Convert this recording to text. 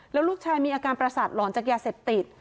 แล้วลูกชายมีอาการประสาทหลอนจากยาเสพติด